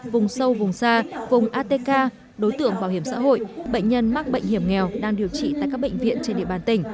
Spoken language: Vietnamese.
vùng sâu vùng xa vùng atk đối tượng bảo hiểm xã hội bệnh nhân mắc bệnh hiểm nghèo đang điều trị tại các bệnh viện trên địa bàn tỉnh